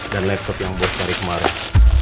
laptop yang buat cari kemarin